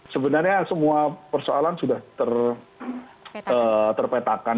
sebenarnya semua persoalan sudah terpetakan